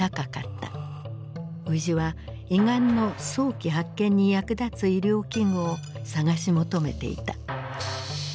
宇治は胃がんの早期発見に役立つ医療器具を探し求めていた。